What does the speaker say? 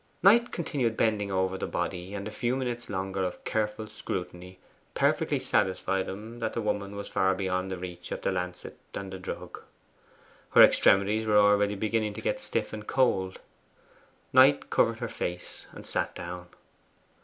Knight continued bending over the body, and a few minutes longer of careful scrutiny perfectly satisfied him that the woman was far beyond the reach of the lancet and the drug. Her extremities were already beginning to get stiff and cold. Knight covered her face, and sat down.